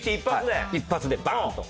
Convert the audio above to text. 一発でバーンと。